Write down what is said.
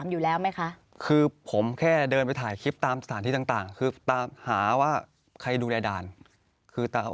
อยู่แล้วไหมคะคือผมแค่เดินไปถ่ายคลิปตามสถานที่ต่างคือตามหาว่าใครดูแลด่านคือตาม